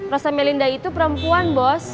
rosa melinda itu perempuan bos